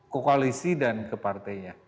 koalisi dan ke partainya